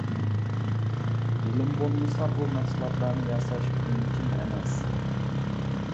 يىلىم بولمىسا بۇ مەھسۇلاتلارنى ياساش مۇمكىن ئەمەس.